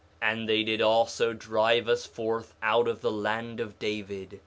2:5 And they did also drive us forth out of the land of David.